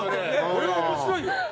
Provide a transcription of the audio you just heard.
これは面白いよ。